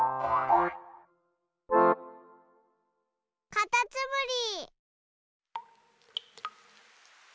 かたつむり。